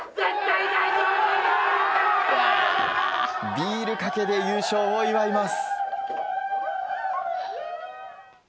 ビールかけで優勝を祝います。